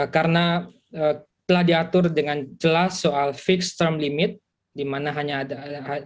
karena telah diatur dengan jelas soal fixed term limit di mana hanya ada